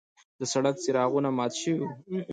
د سړک څراغونه مات شوي وو.